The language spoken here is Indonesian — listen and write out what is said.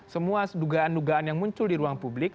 semua dugaan dugaan yang muncul di ruang publik